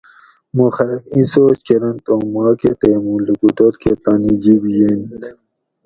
مُوں خلک اِیں سوچ کۤرنت اُوں ماکۤہ تے مُوں لُکوٹور کۤہ تانی جِب یینت